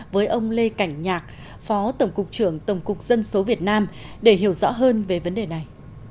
với ông lê cảnh nhạc phó tổng cục trưởng tổng cục dân số việt nam để hiểu rõ hơn về vấn đề này